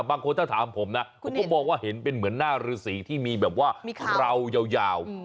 บางคนถ้าถามผมนะผมก็มองว่าเห็นเป็นเหมือนหน้าฤษีที่มีแบบว่าเรายาว